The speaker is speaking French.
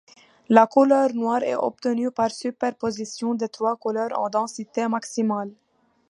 La couleur noire est obtenue par superposition des trois couleurs en densité maximale.